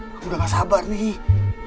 aku udah nggak sabar nih